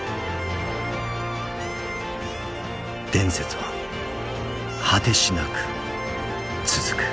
伝説は果てしなく続く。